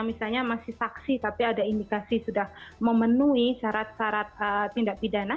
misalnya masih saksi tapi ada indikasi sudah memenuhi syarat syarat tindak pidana